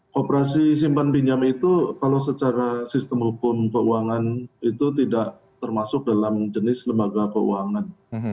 kooperasi simpan pinjam itu kalau secara sistem hukum keuangan itu tidak termasuk dalam jenis lembaga keuangan